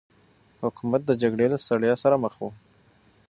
حکومت د جګړې له ستړيا سره مخ و.